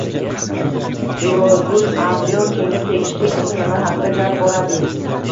“Riyozul avliyo” kimga tegishli, unda nima haqda gap boradi?ng